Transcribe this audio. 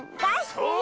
そう！